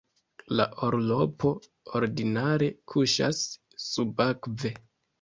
La orlopo ordinare kuŝas subakve.